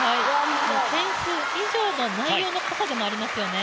点数以上の内容の濃さでもありますよね。